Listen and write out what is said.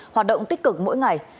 hoạt động tích cực mỗi ngày